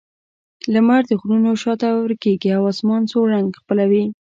لمر د غرونو شا ته ورکېږي او آسمان سور رنګ خپلوي.